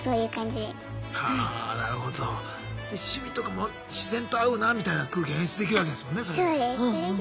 で趣味とかも自然と合うなみたいな空気が演出できるわけですもんねそれで。